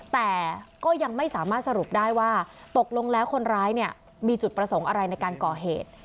แต่ก็ยังไม่สามารถสรุปได้ว่าตกลงแล้วคนร้ายเนี่ยมีจุดประสงค์อะไรในการก่อเหตุ